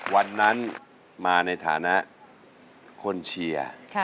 วันนั้นมาในฐานะคนเชียร์